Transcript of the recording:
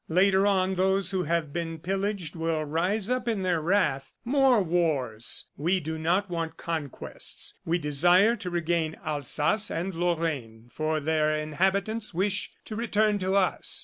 Later on, those who have been pillaged will rise up in their wrath. More wars! ... We do not want conquests. We desire to regain Alsace and Lorraine, for their inhabitants wish to return to us